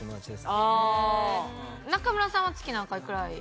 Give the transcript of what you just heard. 中村さんは月何回くらい？